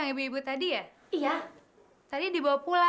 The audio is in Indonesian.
nanti asma tebus ya